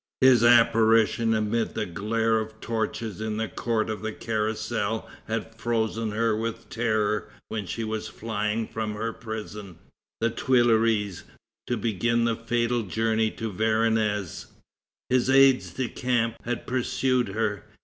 His apparition amid the glare of torches in the Court of the Carrousel had frozen her with terror when she was flying from her prison, the Tuileries, to begin the fatal journey to Varennes. His aides de camp had pursued her.